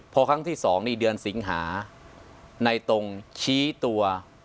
พอครั้งที่๒นี่เดือนสิงหาในตรงชี้ตัว